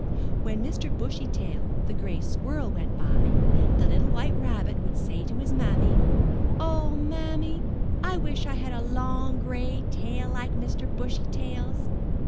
When Mr. Bushy Tail, the gray squirrel, went by, the little White Rabbit would say to his Mammy: *'0h, Mammy, I wish I had a long gray tail like Mr. Bushy Tail's."